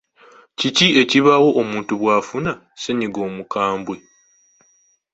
Kiki ekibaawo omuntu bw’afuna ssennyiga omukambwe?